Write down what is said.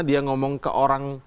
dia ngomong ke orang